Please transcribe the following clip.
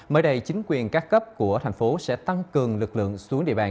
mới đây chính quyền các cấp của thành phố sẽ tăng cường lực lượng xuống địa bàn